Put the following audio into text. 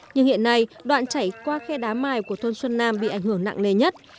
nhưng hiện nay đoạn chảy qua khai đá mài của thôn xuân nam bị ảnh hưởng nặng lề nhất